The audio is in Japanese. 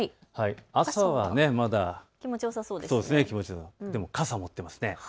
朝はまだ気持ちよさそう、でも傘持っていますね。